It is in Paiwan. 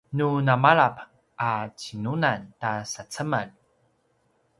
nu namalap a cinunan ta sacemel